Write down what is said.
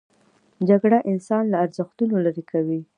جګړه انسان له ارزښتونو لیرې کوي